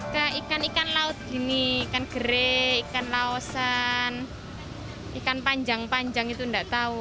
ke ikan ikan laut gini ikan gere ikan laosan ikan panjang panjang itu nggak tahu